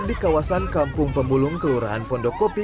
di kawasan kampung pembulung kelurahan pondok kopi